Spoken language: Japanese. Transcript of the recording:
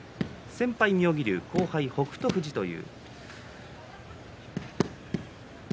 先輩、妙義龍後輩、北勝富士です。